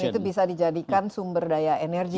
dan itu bisa dijadikan sumber daya energi